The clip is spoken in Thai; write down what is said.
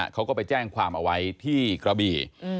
เขาก็ไปแจ้งความเอาไว้ที่กระบี่